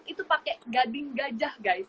itu pakai gading gajah guys